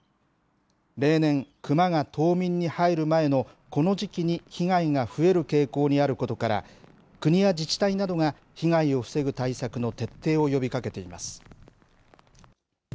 例年、クマが冬眠に入る前のこの時期に被害が増える傾向にあることから、国や自治体などが被害を防ぐ対策の徹底を呼びかけています。